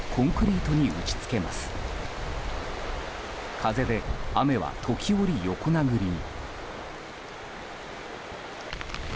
風で雨は時折、横殴りに。